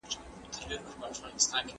ښځې او نارينه بايد تعليم وکړي.